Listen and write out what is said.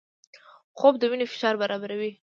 خوب د وینې فشار برابروي